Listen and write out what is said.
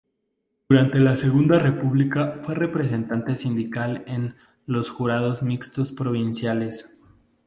Durante la Segunda República fue representante sindical en los Jurados Mixtos provinciales.